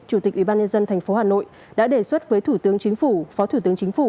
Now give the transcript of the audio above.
chủ tịch ubnd tp hà nội đã đề xuất với thủ tướng chính phủ phó thủ tướng chính phủ